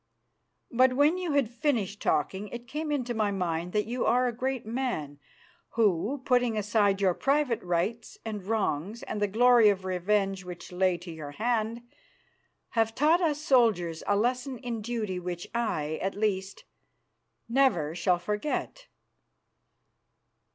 But when you had finished talking it came into my mind that you are a great man who, putting aside your private rights and wrongs and the glory of revenge which lay to your hand, have taught us soldiers a lesson in duty which I, at least, never shall forget.